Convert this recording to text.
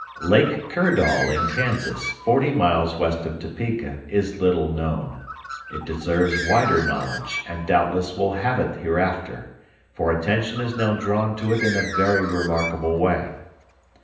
"Lake Kirdall in Kansas, forty miles west of Topeka, is little known. It deserves wider knowledge, and doubtless will have it hereafter, for attention is now drawn to it in a very remarkable way.